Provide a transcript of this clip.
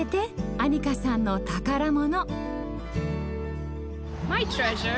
アニカさんの宝物。